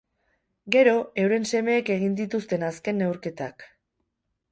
Gero, euren semeek egin dituzten azken neurketak.